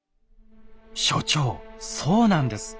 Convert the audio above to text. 所長そうなんです！